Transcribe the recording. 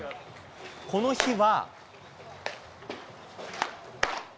この日は。